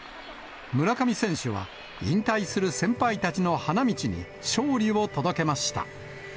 村上選手は、引退する先輩たちの花道に勝利を届けました。